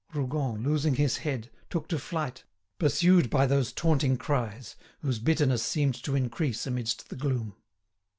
Rougon, losing his head, took to flight, pursued by those taunting cries, whose bitterness seemed to increase amidst the gloom.